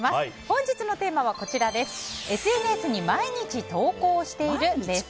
本日のテーマはＳＮＳに毎日投稿している？です。